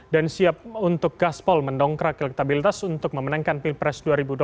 dan siap untuk gaspol mendongkrak elektabilitas untuk memenangkan pilpres dua ribu dua puluh empat